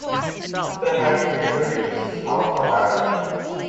Tuda had been educated in the south of Ireland.